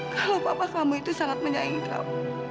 kalau papa kamu itu sangat menyaing draw